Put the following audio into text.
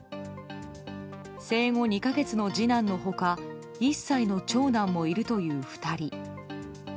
生後２か月の次男の他１歳の長男もいるという２人。